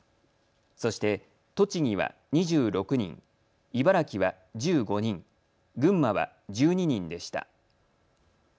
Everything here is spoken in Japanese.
そして栃木は２６人、茨城は１５人、群馬は１２人でした。